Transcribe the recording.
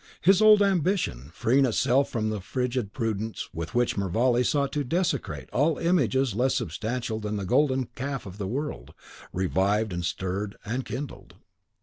His old ambition, freeing itself from the frigid prudence with which Mervale sought to desecrate all images less substantial than the golden calf of the world, revived, and stirred, and kindled.